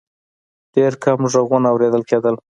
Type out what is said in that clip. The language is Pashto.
ډېر کم غږونه اورېدل کېدل.